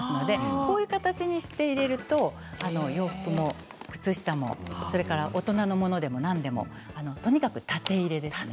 こういう形にして入れると洋服も靴下も大人のものでも何でもとにかく縦入れです。